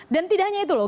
dan tidak hanya itu loh